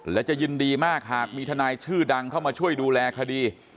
และจะยินดีมากหากมีทนายชื่อดังเข้ามาช่วยดูแลคดี